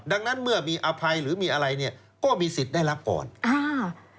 ดังนั้นเมื่อมีอภัยหรือมีอะไรเนี่ยก็มีสิทธิ์ได้รับก่อนอ่า